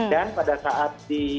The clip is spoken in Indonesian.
dan pada saat di